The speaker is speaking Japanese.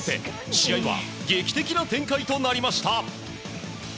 試合は劇的な展開となりました。